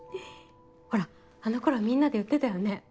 ほらあの頃みんなで言ってたよね。